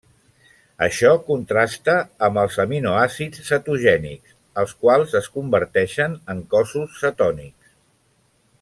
Això contrasta amb els aminoàcids cetogènics, els quals es converteixen en cossos cetònics.